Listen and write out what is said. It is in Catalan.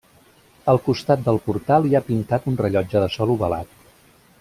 Al costat del portal hi ha pintat un rellotge de sol ovalat.